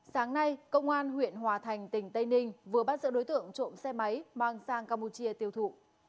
sáng nay công an huyện hòa thành tỉnh tây ninh vừa bắt giữ đối tượng trộm xe máy mang sang campuchia tiêu thụ